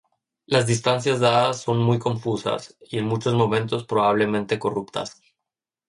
Las distancias dadas son muy confusas, y en muchos momentos probablemente corruptas.